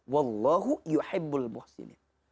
wallahu yuhibbul muhsinin